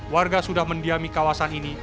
warga sudah mendiami kawasan ini